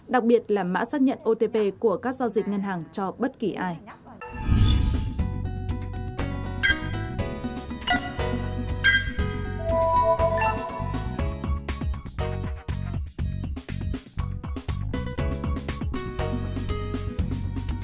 đặc biệt là mã xác nhận otp của các giao dịch ngân hàng cho bất kỳ ai